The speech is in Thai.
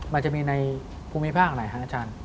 มันจะมีในภูมิภาคอะไรคะอาจารย์